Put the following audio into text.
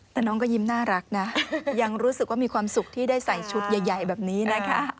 แต่น้องก็ยิ้มน่ารักนะยังรู้สึกว่ามีความสุขที่ได้ใส่ชุดใหญ่แบบนี้นะคะ